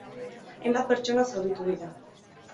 Hainbat pertsona zauritu dira.